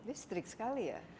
ini strik sekali ya